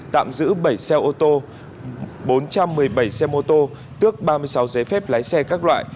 tạm giữ bảy xe ô tô bốn trăm một mươi bảy xe mô tô tước ba mươi sáu giấy phép lái xe các loại